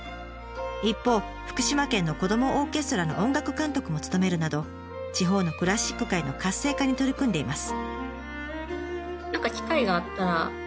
一方福島県の子どもオーケストラの音楽監督も務めるなど地方のクラシック界の活性化に取り組んでいます。